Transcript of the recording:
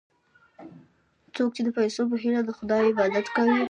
څوک چې د پیسو په هیله د خدای عبادت کوي.